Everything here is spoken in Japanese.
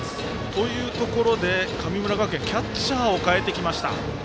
というところで神村学園キャッチャーを代えてきました。